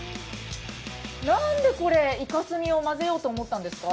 何でこれイカスミを混ぜようと思ったんですか？